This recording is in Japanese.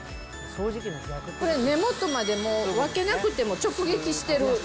これ、根元までもう、分けなくても直撃してる。